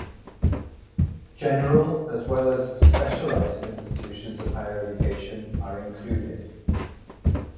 General as well as specialized institutions of higher education are included.